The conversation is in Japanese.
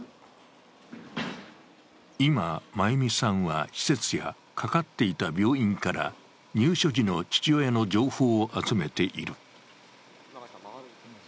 今、眞優美さんは施設や、かかっていた病院から入所時の父親の情報を集めている。